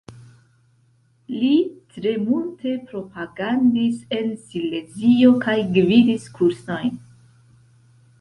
Li tre multe propagandis en Silezio kaj gvidis kursojn.